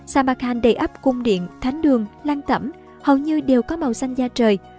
samarkand đầy ấp cung điện thánh đường lan tẩm hầu như đều có màu xanh da trời